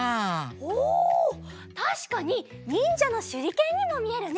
おたしかににんじゃのしゅりけんにもみえるね！